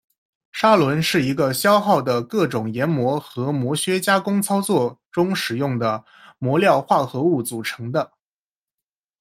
砂轮是一个消耗的各种研磨和磨削加工操作中使用的磨料化合物组成的。